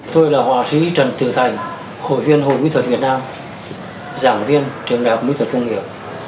tôi là họa sĩ trần tự thành hội viên hội mỹ thuật việt nam giảng viên trường đại học mỹ thuật công nghiệp